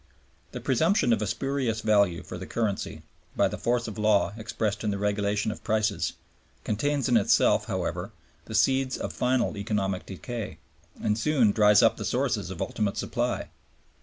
The presumption of a spurious value for the currency, by the force of law expressed in the regulation of prices, contains in itself, however, the seeds of final economic decay, and soon dries up the sources of ultimate supply.